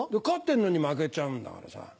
勝ってんのに負けちゃうんだからさ。